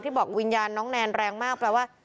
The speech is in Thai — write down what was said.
ที่บอกวิญญาณน้องแนนแรงมาก